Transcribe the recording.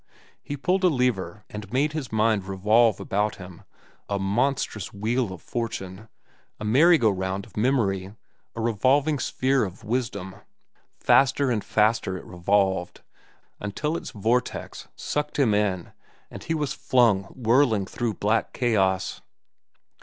He pulled a lever and made his mind revolve about him, a monstrous wheel of fortune, a merry go round of memory, a revolving sphere of wisdom. Faster and faster it revolved, until its vortex sucked him in and he was flung whirling through black chaos.